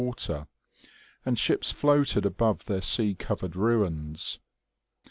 water, and ships floated above their sea covered ruins.